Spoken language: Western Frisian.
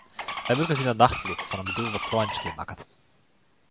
Hy wurket yn 'e nachtploech fan in bedriuw dat treinen skjinmakket.